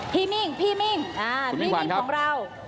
พี่มิ่งของเรา